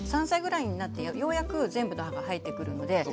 ３歳ぐらいになってようやく全部の歯が生えてくるので。